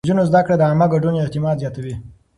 د نجونو زده کړه د عامه ګډون اعتماد زياتوي.